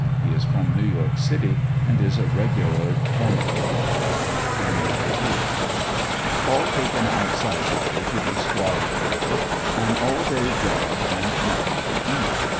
He is from New York City, and is a rea^ular bum mer. Jan, 8. — All taken outside to day to be squadded over — an all day job. and nothing to eat.